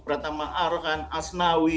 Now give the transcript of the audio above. pratama arhan asnawi